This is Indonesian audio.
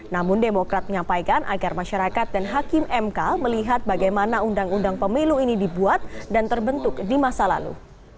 namun demokrat menyampaikan agar masyarakat dan hakim mk melihat bagaimana undang undang pemilu ini dibuat dan terbentuk di masa lalu